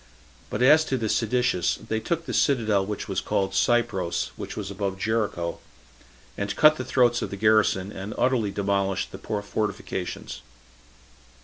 But as to the seditious, they took the citadel which was called Cypros, and was above Jericho, and cut the throats of the garrison, and utterly demolished the fortifications.